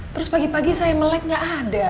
terus pagi pagi saya melek gak ada